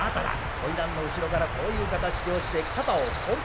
花魁の後ろからこういう肩肘をして肩をポンポン。